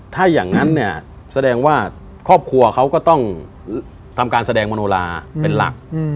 ถ้าอย่างนั้นเนี่ยแสดงว่าครอบครัวเขาก็ต้องทำการแสดงมโนลาเป็นหลัก